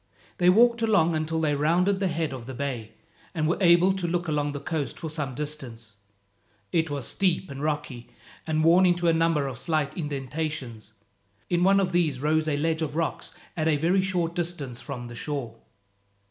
They walked along until they rounded the head of the bay, and were able to look along the coast for some distance. It was steep and rocky, and worn into a number of slight indentations. In one of these rose a ledge of rocks at a very short distance from the shore.